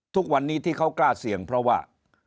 ทุกวันนี้ที่เขากล้าเสี่ยงเพราะว่า